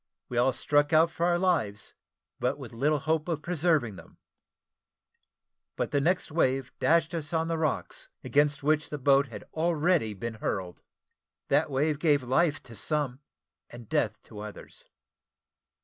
We all struck out for our lives, but with little hope of preserving them; but the next wave dashed us on the rocks, against which the boat had already been hurled. That wave gave life to some, and death to others.